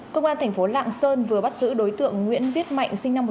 cơ quan thành phố lạng sơn vừa bắt giữ đối tượng nguyễn viết mạnh